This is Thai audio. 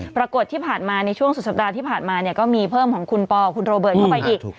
ปรากฏที่ผ่านมาในช่วงสุดสัปดาห์ที่ผ่านมาเนี่ยก็มีเพิ่มของคุณปอคุณโรเบิร์ตเข้าไปอีก